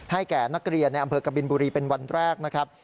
แก่นักเรียนในอำเภอกบินบุรีเป็นวันแรกนะครับ